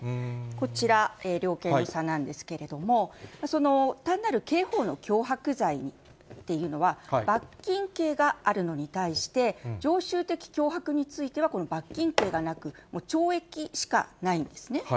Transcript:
こちら、量刑の差なんですけれども、単なる刑法の脅迫罪っていうのは、罰金刑があるのに対して、常習的脅迫についてはこの罰金刑がなく、もう懲役しかないんですね。